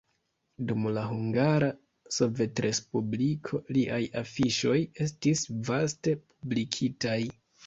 Dum la Hungara Sovetrespubliko liaj afiŝoj estis vaste publikitaj.